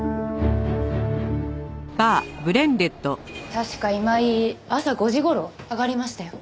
確か今井朝５時頃上がりましたよ。